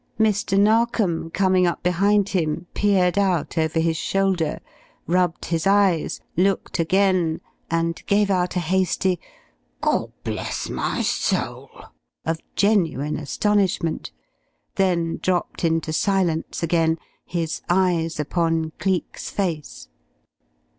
Mr. Narkom coming up behind him peered out over his shoulder, rubbed his eyes, looked again and gave out a hasty "God bless my soul!" of genuine astonishment, then dropped into silence again, his eyes upon Cleek's face.